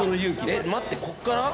えっ待ってこっから？